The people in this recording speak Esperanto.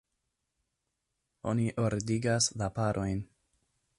Oni ordigas la parojn.